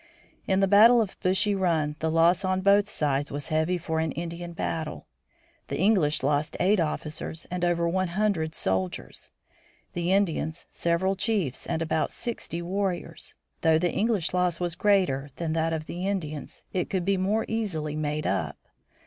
In the battle of Bushy Run the loss on both sides was heavy for an Indian battle. The English lost eight officers and over one hundred soldiers; the Indians, several chiefs and about sixty warriors. Though the English loss was greater than that of the Indians, it could be more easily made up.